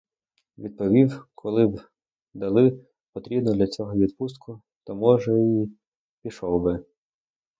Відповів, коли б дали потрібну для цього відпустку, то може й пішов би.